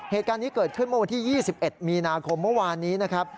เหตุการณ์นี้เกิดขึ้นเมื่อวันที่๒๑มีนาคมเมื่อวานนี้นะครับ